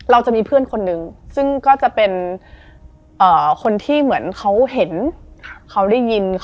เออใช่อันนี้มันไม่ตลก